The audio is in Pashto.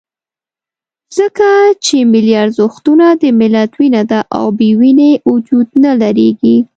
ځکه چې ملي ارزښتونه د ملت وینه ده، او بې وینې وجود نه درېږي.